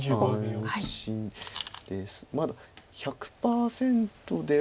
まだ１００％では。